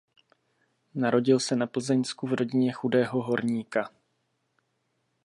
Narodil se na Plzeňsku v rodině chudého horníka.